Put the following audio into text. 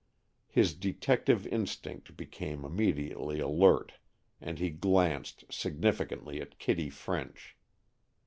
His detective instinct became immediately alert, and he glanced significantly at Kitty French.